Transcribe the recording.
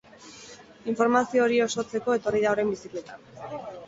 Informazio hori osotzeko etorri da orain bizikleta.